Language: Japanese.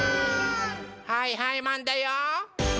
はいはいマンだよ！